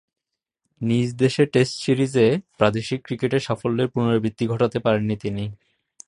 নিজদেশে test সিরিজে প্রাদেশিক ক্রিকেটের সাফল্যের পুণরাবৃত্তি ঘটাতে পারেননি তিনি।